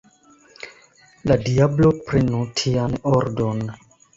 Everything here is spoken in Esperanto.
La diablo prenu tian ordon!